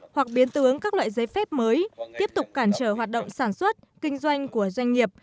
hoặc biến tướng các loại giấy phép mới tiếp tục cản trở hoạt động sản xuất kinh doanh của doanh nghiệp